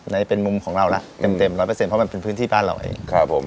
ในเป็นมุมของเราระเต็ม๑๐๐เพราะมันเป็นพื้นที่บ้านเราเอง